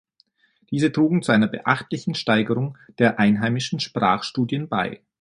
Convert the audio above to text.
Diese trugen zu einer beachtlichen Steigerung der einheimischen Sprachstudien bei.